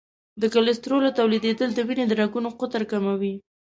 د کلسترول تولیدېدل د وینې د رګونو قطر کموي.